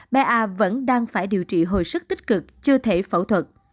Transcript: bé a vẫn đang phải điều trị hồi sức tích cực chưa thể phẫu thuật